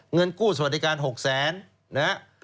เงินกู้สวัสดีการ๖๐๐๐๐๐บาท